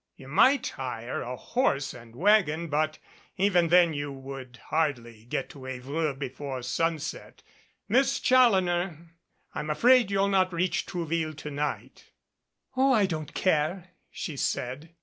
You might hire a horse and wagon but even then you would 109 MADCAP hardly get to Evreux before sunset. Miss Challoner, I'm afraid you'll not reach Trouville to night " "Oh, I don't care," she said.